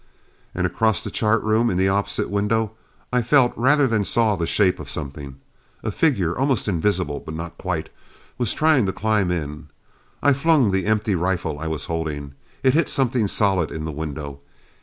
And across the chart room, in the opposite window, I felt rather than saw the shape of something. A figure, almost invisible but not quite, was trying to climb in! I flung the empty rifle I was holding. It hit something solid in the window.